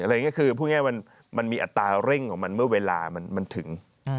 อย่างนี้คือพูดง่ายมันมีอัตราเร่งของมันเมื่อเวลามันถึง